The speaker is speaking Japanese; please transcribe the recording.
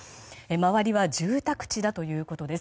周りは住宅地だということです。